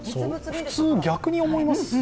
普通、逆に思いますよね。